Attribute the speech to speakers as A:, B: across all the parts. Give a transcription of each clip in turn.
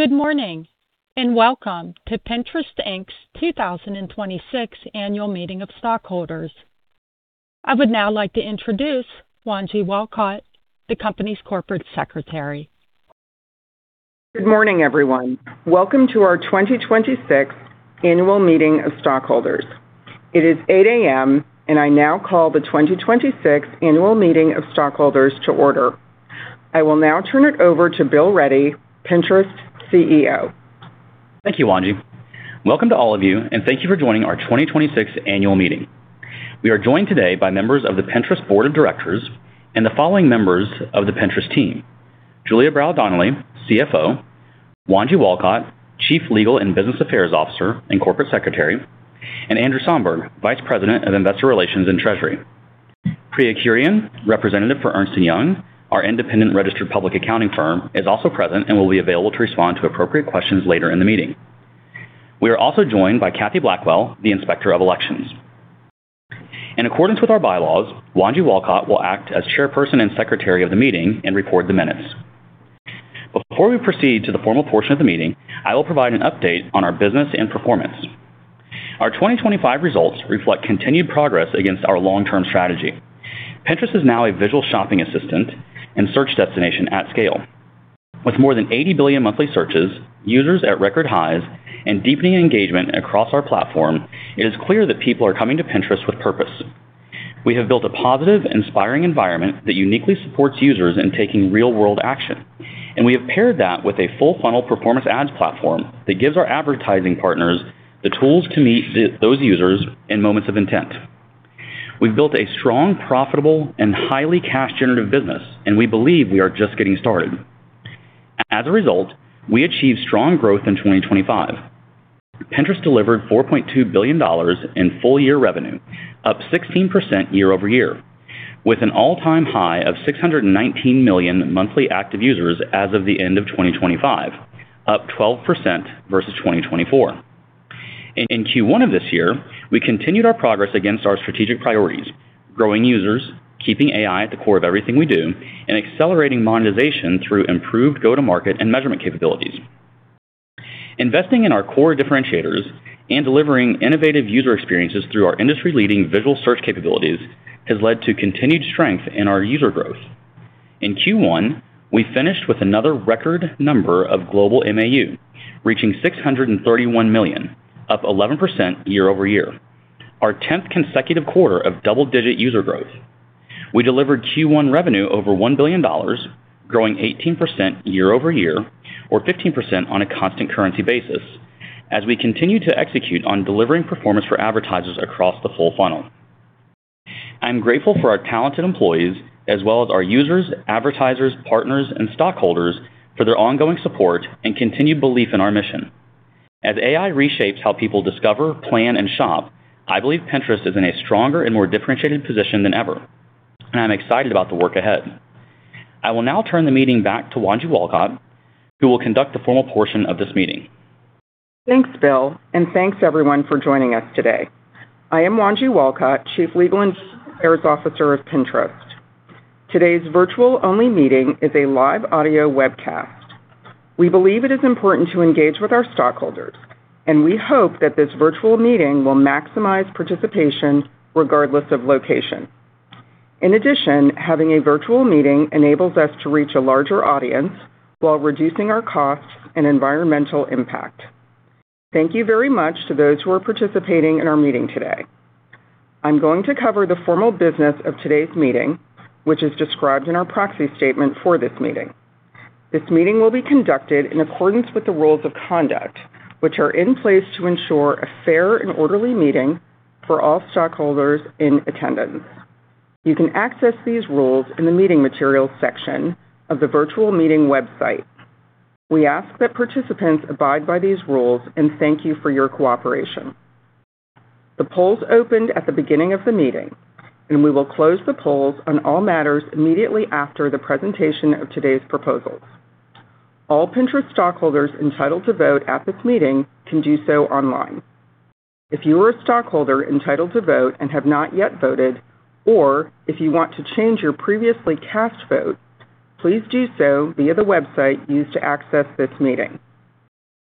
A: Good morning, and welcome to Pinterest, Inc.'s 2026 Annual Meeting of stockholders. I would now like to introduce Wanji Walcott, the company's Corporate Secretary.
B: Good morning, everyone. Welcome to our 2026 annual meeting of stockholders. It is 8:00 A.M. I now call the 2026 annual meeting of stockholders to order. I will now turn it over to Bill Ready, Pinterest's CEO.
C: Thank you, Wanji. Welcome to all of you, and thank you for joining our 2026 annual meeting. We are joined today by members of the Pinterest board of directors and the following members of the Pinterest team: Julia Brau Donnelly, CFO, Wanji Walcott, Chief Legal and Business Affairs Officer and Corporate Secretary, and Andrew Somberg, Vice President of Investor Relations and Treasury. Priya Kurian, representative for Ernst & Young, our independent registered public accounting firm, is also present and will be available to respond to appropriate questions later in the meeting. We are also joined by Kathy Blackwell, the Inspector of Elections. In accordance with our bylaws, Wanji Walcott will act as Chairperson and Secretary of the meeting and record the minutes. Before we proceed to the formal portion of the meeting, I will provide an update on our business and performance. Our 2025 results reflect continued progress against our long-term strategy. Pinterest is now a visual shopping assistant and search destination at scale. With more than 80 billion monthly searches, users at record highs, and deepening engagement across our platform, it is clear that people are coming to Pinterest with purpose. We have built a positive, inspiring environment that uniquely supports users in taking real-world action, and we have paired that with a full-funnel performance ads platform that gives our advertising partners the tools to meet those users in moments of intent. We've built a strong, profitable, and highly cash-generative business, and we believe we are just getting started. As a result, we achieved strong growth in 2025. Pinterest delivered $4.2 billion in full-year revenue, up 16% year-over-year, with an all-time high of 619 million monthly active users as of the end of 2025, up 12% versus 2024. In Q1 of this year, we continued our progress against our strategic priorities: growing users, keeping AI at the core of everything we do, and accelerating monetization through improved go-to-market and measurement capabilities. Investing in our core differentiators and delivering innovative user experiences through our industry-leading visual search capabilities has led to continued strength in our user growth. In Q1, we finished with another record number of global MAU, reaching 631 million, up 11% year-over-year, our 10th consecutive quarter of double-digit user growth. We delivered Q1 revenue over $1 billion, growing 18% year-over-year or 15% on a constant currency basis as we continue to execute on delivering performance for advertisers across the full funnel. I am grateful for our talented employees, as well as our users, advertisers, partners, and stockholders for their ongoing support and continued belief in our mission. As AI reshapes how people discover, plan, and shop, I believe Pinterest is in a stronger and more differentiated position than ever, and I'm excited about the work ahead. I will now turn the meeting back to Wanji Walcott, who will conduct the formal portion of this meeting.
B: Thanks, Bill, and thanks, everyone, for joining us today. I am Wanji Walcott, Chief Legal and Business Affairs Officer of Pinterest. Today's virtual-only meeting is a live audio webcast. We believe it is important to engage with our stockholders, and we hope that this virtual meeting will maximize participation regardless of location. In addition, having a virtual meeting enables us to reach a larger audience while reducing our costs and environmental impact. Thank you very much to those who are participating in our meeting today. I'm going to cover the formal business of today's meeting, which is described in our proxy statement for this meeting. This meeting will be conducted in accordance with the rules of conduct, which are in place to ensure a fair and orderly meeting for all stockholders in attendance. You can access these rules in the meeting materials section of the virtual meeting website. We ask that participants abide by these rules and thank you for your cooperation. The polls opened at the beginning of the meeting, and we will close the polls on all matters immediately after the presentation of today's proposals. All Pinterest stockholders entitled to vote at this meeting can do so online. If you are a stockholder entitled to vote and have not yet voted or if you want to change your previously cast vote, please do so via the website used to access this meeting.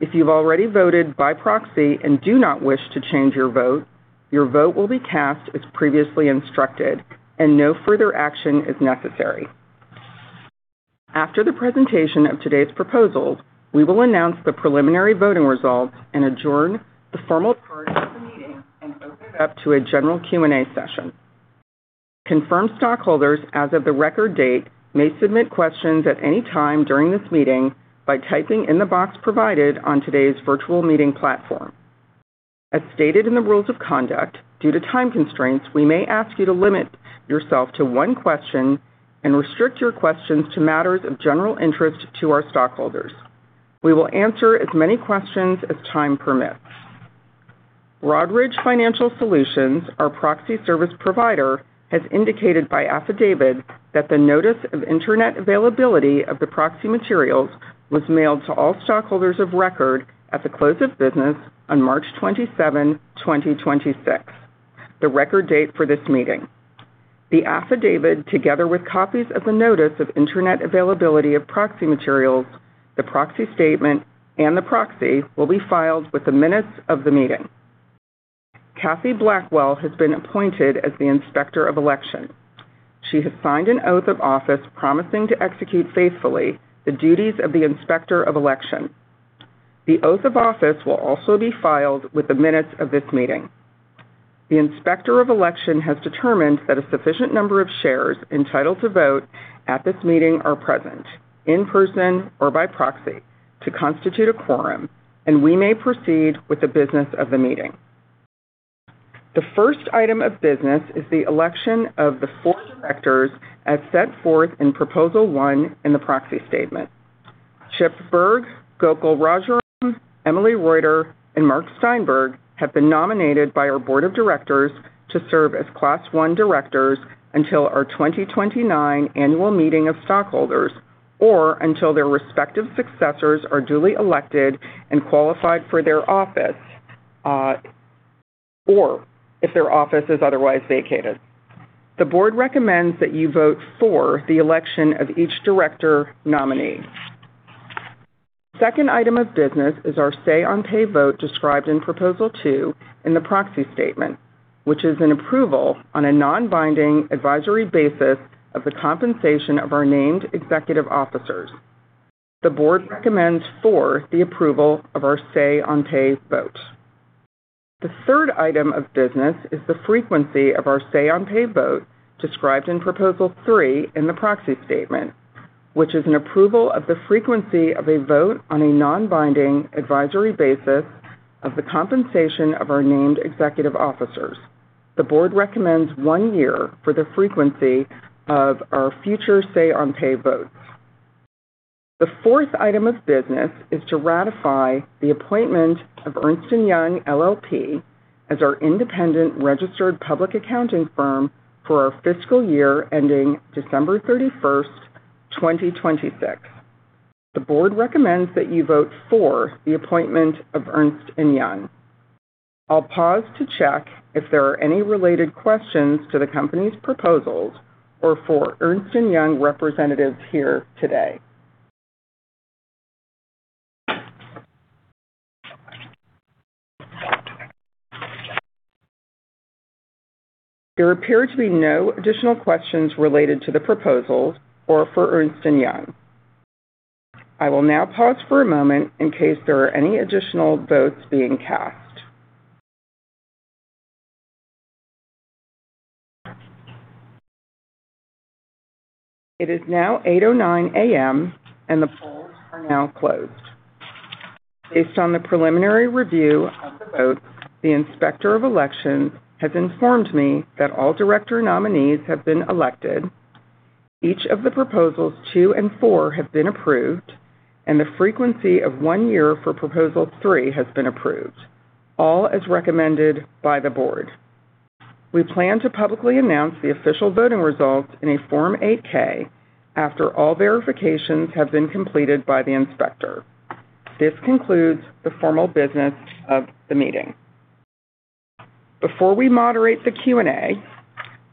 B: If you've already voted by proxy and do not wish to change your vote, your vote will be cast as previously instructed and no further action is necessary. After the presentation of today's proposals, we will announce the preliminary voting results and adjourn the formal part of the meeting and open it up to a general Q&A session. Confirmed stockholders as of the record date may submit questions at any time during this meeting by typing in the box provided on today's virtual meeting platform. As stated in the rules of conduct, due to time constraints, we may ask you to limit yourself to one question and restrict your questions to matters of general interest to our stockholders. We will answer as many questions as time permits. Broadridge Financial Solutions, our proxy service provider, has indicated by affidavit that the notice of Internet availability of the proxy materials was mailed to all stockholders of record at the close of business on March 27, 2026, the record date for this meeting. The affidavit, together with copies of the notice of Internet availability of proxy materials, the proxy statement, and the proxy, will be filed with the minutes of the meeting. Kathy Blackwell has been appointed as the Inspector of Election. She has signed an oath of office promising to execute faithfully the duties of the Inspector of Election. The oath of office will also be filed with the minutes of this meeting. The Inspector of Election has determined that a sufficient number of shares entitled to vote at this meeting are present, in person or by proxy, to constitute a quorum, and we may proceed with the business of the meeting. The first item of business is the election of the four directors as set forth in Proposal 1 in the proxy statement. Chip Bergh, Gokul Rajaram, Emily Reuter, and Marc Steinberg have been nominated by our Board of Directors to serve as Class One directors until our 2029 Annual Meeting of Stockholders, or until their respective successors are duly elected and qualified for their office, or if their office is otherwise vacated. The board recommends that you vote for the election of each director nominee. Second item of business is our say on pay vote described in Proposal 2 in the proxy statement, which is an approval on a non-binding advisory basis of the compensation of our named executive officers. The board recommends for the approval of our say on pay vote. The third item of business is the frequency of our say on pay vote described in Proposal 3 in the proxy statement, which is an approval of the frequency of a vote on a non-binding advisory basis of the compensation of our named executive officers. The board recommends one year for the frequency of our future say on pay votes. The fourth item of business is to ratify the appointment of Ernst & Young LLP as our independent registered public accounting firm for our fiscal year ending December 31st, 2026. The board recommends that you vote for the appointment of Ernst & Young. I'll pause to check if there are any related questions to the company's proposals or for Ernst & Young representatives here today. There appear to be no additional questions related to the proposals or for Ernst & Young. I will now pause for a moment in case there are any additional votes being cast. It is now 8:00 A.M., and the polls are now closed. Based on the preliminary review of the votes, the Inspector of Elections has informed me that all director nominees have been elected, each of the Proposals Two and Four have been approved, and the frequency of one year for Proposal Three has been approved, all as recommended by the board. We plan to publicly announce the official voting results in a Form 8-K after all verifications have been completed by the inspector. This concludes the formal business of the meeting. Before we moderate the Q&A,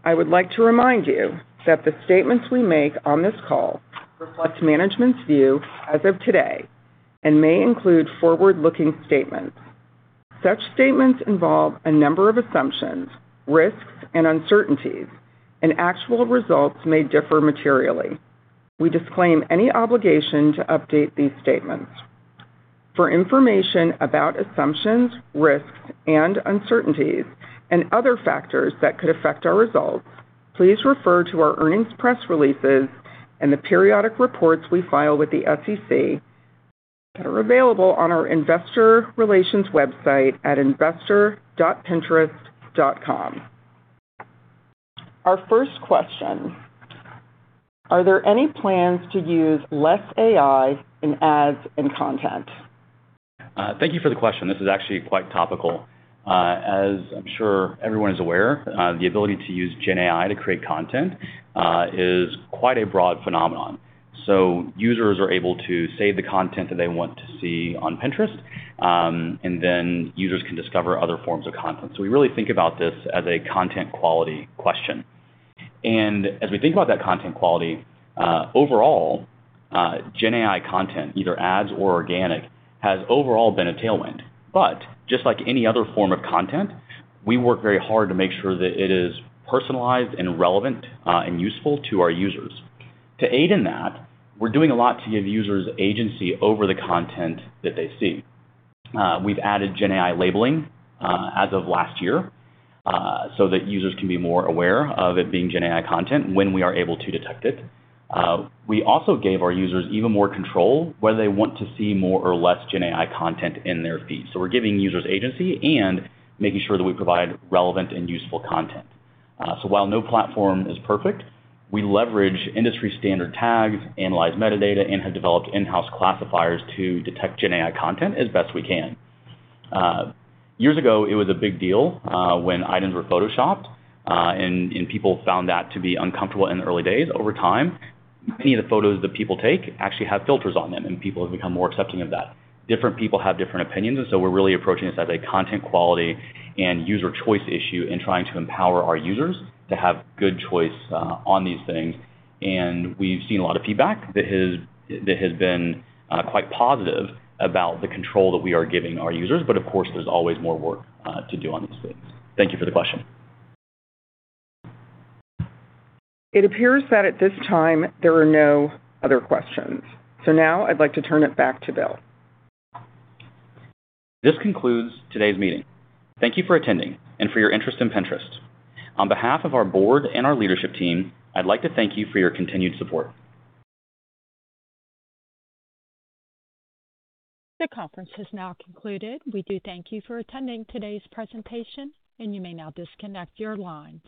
B: I would like to remind you that the statements we make on this call reflect management's view as of today and may include forward-looking statements. Such statements involve a number of assumptions, risks, and uncertainties, actual results may differ materially. We disclaim any obligation to update these statements. For information about assumptions, risks, and uncertainties and other factors that could affect our results, please refer to our earnings press releases and the periodic reports we file with the SEC that are available on our investor relations website at investor.pinterest.com. Our first question: Are there any plans to use less AI in ads and content?
C: Thank you for the question. This is actually quite topical. As I'm sure everyone is aware, the ability to use gen AI to create content is quite a broad phenomenon. Users are able to save the content that they want to see on Pinterest, and then users can discover other forms of content. We really think about this as a content quality question. As we think about that content quality, overall, gen AI content, either ads or organic, has overall been a tailwind. Just like any other form of content, we work very hard to make sure that it is personalized and relevant and useful to our users. To aid in that, we're doing a lot to give users agency over the content that they see. We've added gen AI labeling as of last year so that users can be more aware of it being gen AI content when we are able to detect it. We also gave our users even more control whether they want to see more or less gen AI content in their feed. We're giving users agency and making sure that we provide relevant and useful content. While no platform is perfect, we leverage industry standard tags, analyze metadata, and have developed in-house classifiers to detect gen AI content as best we can. Years ago, it was a big deal when items were photoshopped, and people found that to be uncomfortable in the early days. Over time, many of the photos that people take actually have filters on them, and people have become more accepting of that. Different people have different opinions, we're really approaching this as a content quality and user choice issue and trying to empower our users to have good choice on these things. We've seen a lot of feedback that has been quite positive about the control that we are giving our users. Of course, there's always more work to do on these things. Thank you for the question.
B: It appears that at this time there are no other questions. Now I'd like to turn it back to Bill.
C: This concludes today's meeting. Thank you for attending and for your interest in Pinterest. On behalf of our board and our leadership team, I'd like to thank you for your continued support.
A: The conference has now concluded. We do thank you for attending today's presentation, and you may now disconnect your line.